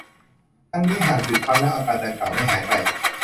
ทั้งนี้ หากหยุดพักแล้วอาการดังกล่าวไม่หายไป